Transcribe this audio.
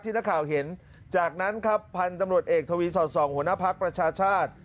นักข่าวเห็นจากนั้นครับพันธุ์ตำรวจเอกทวีสอดส่องหัวหน้าภักดิ์ประชาชาติ